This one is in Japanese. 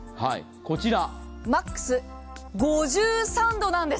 マックス５３度なんです。